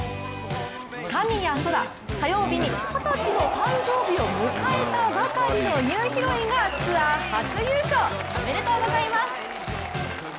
神谷そら、火曜日に二十歳の誕生日を迎えたばかりのニューヒロインがツアー初優勝、おめでとうございます。